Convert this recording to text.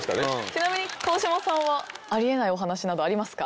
ちなみに川島さんはありえないお話などありますか？